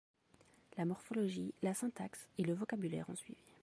La morphologie, la syntaxe et le vocabulaire ont suivi.